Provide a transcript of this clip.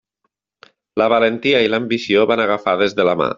La valentia i l'ambició van agafades de la mà.